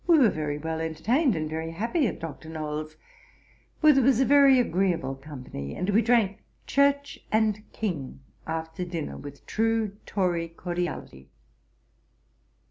We were well entertained and very happy at Dr. Nowell's, where was a very agreeable company, and we drank 'Church and King' after dinner, with true Tory cordiality.